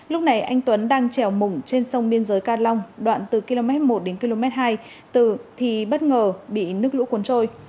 lúc này anh tuấn đang trèo mủng trên sông biên giới ca long đoạn từ km một đến km hai từ thì bất ngờ bị nước lũ cuốn trôi